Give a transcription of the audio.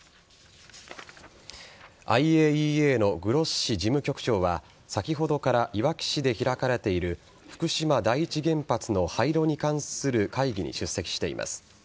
ＩＡＥＡのグロッシ事務局長は先ほどからいわき市で開かれている福島第一原発の廃炉に関する会議に出席しています。